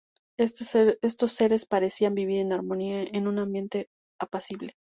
Estos seres parecían vivir en armonía, en un ambiente apacible.